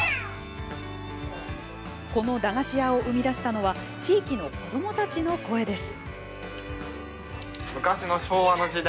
この駄菓子屋を生み出したのは地域の子どもたちの声です。